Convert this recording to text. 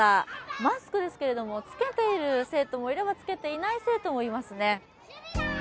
マスクですけども、着けている生徒もいれば着けていない生徒もいますね。